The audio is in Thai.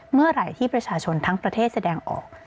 เมื่อไหร่ที่ประชาชนทั้งประเทศแสดงออก